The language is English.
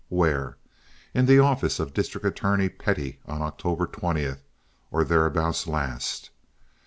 Where? In the office of District Attorney Pettie on October 20th, or thereabouts last.